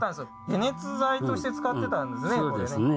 解熱剤として使ってたんですねこれね。